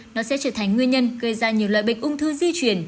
nó sẽ trở thành nguyên nhân gây ra nhiều loại bệnh ung thư di chuyển